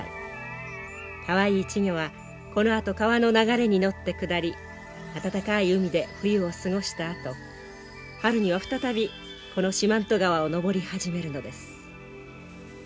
かわいい稚魚はこのあと川の流れに乗って下り暖かい海で冬を過ごしたあと春には再びこの四万十川を上り始めるのです。